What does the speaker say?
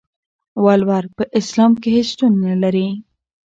ولور په اسلام کې هيڅ شتون نلري.